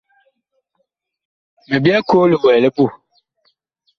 Mi byɛɛ koo li wɛɛ li puh.